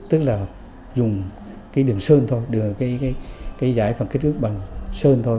tức là dùng đường sơn thôi giải phân cách ước bằng sơn thôi